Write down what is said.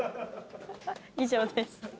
以上です。